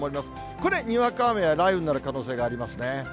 これ、にわか雨や雷雨になる可能性がありますね。